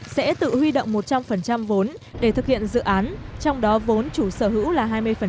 sẽ tự huy động một trăm linh vốn để thực hiện dự án trong đó vốn chủ sở hữu là hai mươi